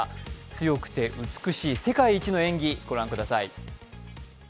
強くて美しい、世界一の演技ご覧ください。